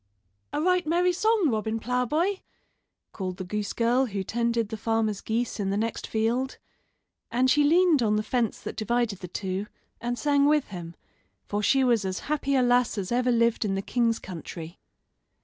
"A right merry song, Robin Ploughboy," called the goose girl who tended the farmer's geese in the next field; and she leaned on the fence that divided the two, and sang with him, for she was as happy a lass as ever lived in the king's country.